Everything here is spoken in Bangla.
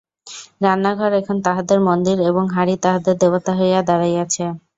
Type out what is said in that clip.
রান্নাঘর এখন তাহাদের মন্দির এবং হাঁড়ি তাহাদের দেবতা হইয়া দাঁড়াইয়াছে।